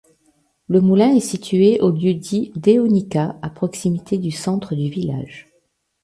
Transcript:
Le moulin est situé au lieu-dit Deonica, à proximité du centre du village.